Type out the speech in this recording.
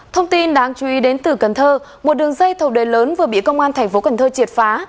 thông tin đáng chú ý đến từ cần thơ một đường dây thầu đời lớn vừa bị công an thành phố cần thơ triệt phá